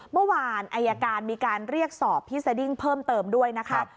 เมื่อวานอายการมีการเรียกสอบพี่สดิ้งเพิ่มเติมด้วยนะคะ